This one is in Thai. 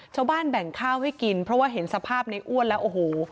ชาวบ้านแบ่งข้าวให้กินเพราะว่าเห็นสภาพในอ้วนแล้วโอ้โห